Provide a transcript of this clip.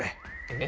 え？